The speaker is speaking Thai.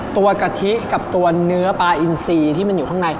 กะทิกับตัวเนื้อปลาอินซีที่มันอยู่ข้างใน